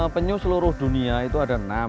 penyu seluruh dunia itu ada enam